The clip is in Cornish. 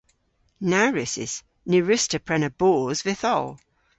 Na wrussys. Ny wruss'ta prena boos vytholl.